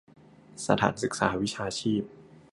สถานศึกษาวิชาชีพ